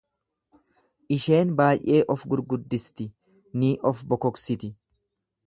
Isheen baay'ee of-gurguddisti, ni of-bokoksiti.